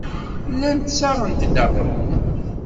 Llant ssaɣent-d aɣrum.